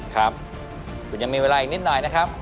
ครับคุณยังมีเวลาอีกนิดหน่อยนะครับ